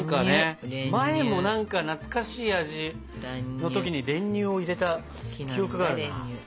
前も何か懐かしい味の時に練乳を入れた記憶があるな。